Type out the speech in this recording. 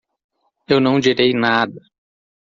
Eu não direi nada.